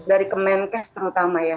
dari kemenkes terutama ya